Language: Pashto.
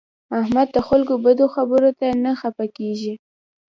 احمد د خلکو بدو خبرو ته نه خپه کېږي.